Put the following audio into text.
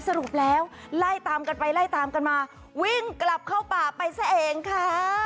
สรุปแล้วไล่ตามกันไปไล่ตามกันมาวิ่งกลับเข้าป่าไปซะเองค่ะ